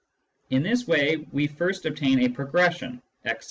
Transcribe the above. In this way we first obtain a progression x l7 x 2